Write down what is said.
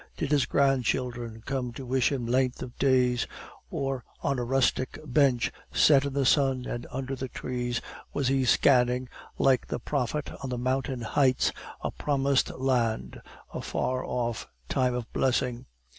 Did his grandchildren come to wish him length of days? Or, on a rustic bench set in the sun and under the trees, was he scanning, like the prophet on the mountain heights, a promised land, a far off time of blessing.